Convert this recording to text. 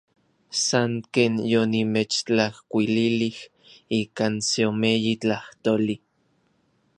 San ken yonimechtlajkuililij ikan seomeyi tlajtoli.